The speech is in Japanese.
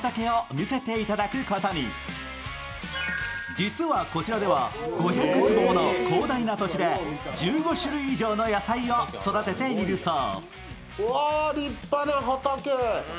実はこちらでは、５００坪もの広大な土地で、１５種類以上の野菜を育てているそう。